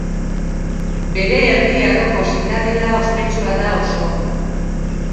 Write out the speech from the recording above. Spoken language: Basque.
Bere Erdi Aroko zitadela ospetsua da oso.